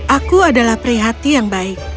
aku adalah pria hati yang baik